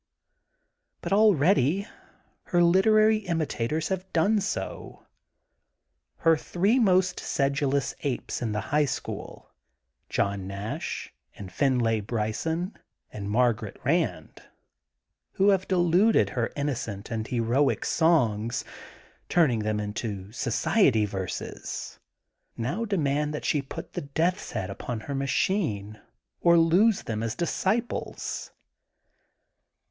But already her literary imita tors have done so. Her three most sedulous apes in the High School, John Nash and Find lay Bryson and Margaret Rand, who have di luted her innocent and heroic songs, turning them into society verses, now demand that she put the death *s head upon her machine, or lose them as disciples.